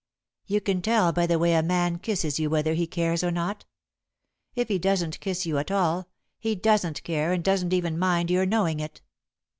"You can tell by the way a man kisses you whether he cares or not. If he doesn't kiss you at all, he doesn't care and doesn't even mind your knowing it.